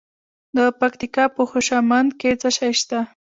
د پکتیکا په خوشامند کې څه شی شته؟